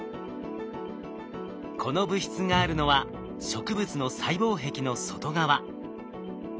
この物質があるのは植物の細胞壁の外側。